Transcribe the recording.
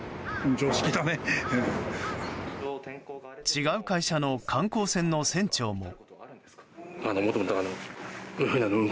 違う会社の観光船の船長も。